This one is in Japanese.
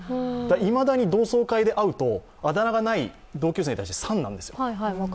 いまだに同窓会で会うと、あだ名がない同級生は「さん」なんですよ。